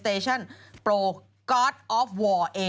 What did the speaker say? พี่ชอบแซงไหลทางอะเนาะ